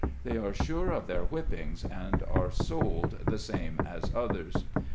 They are sure of their whippings, and are sold the same as others.